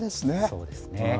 そうですね。